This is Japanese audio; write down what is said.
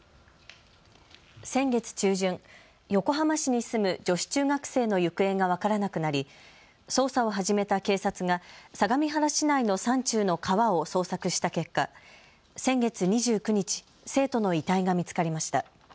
先月中旬、横浜市に住む女子中学生の行方が分からなくなり、捜査を始めた警察が相模原市内の山中の川を捜索した結果、先月２９日、生徒の遺体が見つかりました。